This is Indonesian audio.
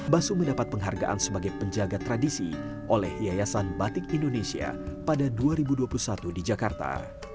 basum mendapat penghargaan sebagai penjaga tradisi oleh yayasan batik indonesia pada dua ribu dua puluh satu di jakarta